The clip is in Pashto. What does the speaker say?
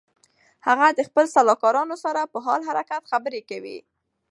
هغه د خپلو سلاکارانو سره په حال حرکت خبرې کوي.